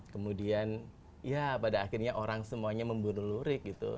kemudian ya pada akhirnya orang semuanya membunuh lurik gitu